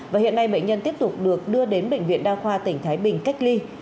và hiện nay bệnh nhân tiếp tục được đưa đến bệnh viện đa khoa tỉnh thái bình cách ly